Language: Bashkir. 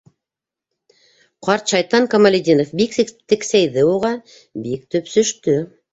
Ҡарт шайтан, Камалетдинов бик тексәйҙе уға, бик төпсөштө.